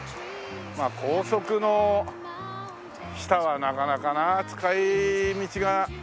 まあ高速の下はなかなかなあ使い道が難しいよね。